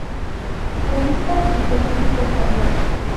Jurista y político español.